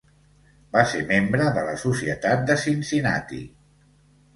Va ser membre de la Societat de Cincinatti.